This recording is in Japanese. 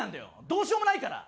どうしようもないから！